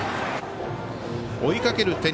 追いかける